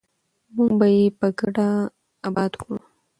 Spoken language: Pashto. موږ به یې په ګډه اباد کړو.